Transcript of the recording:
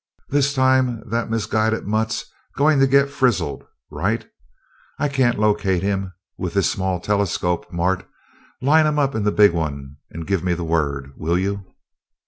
This time that misguided mutt's going to get frizzled right.... I can't locate him with this small telescope, Mart. Line him up in the big one and give me the word, will you?"